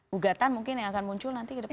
gugatan mungkin yang akan muncul nanti ke depan